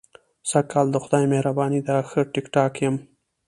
سږ کال د خدای مهرباني ده، ښه ټیک ټاک یم.